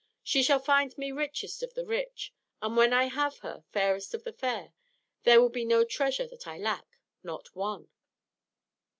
She shall find me richest of the rich; and when I have her fairest of the fair there will be no treasure that I lack not one!"